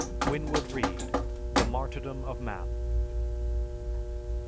(_Winwood Reade: "The Martyrdom of Man."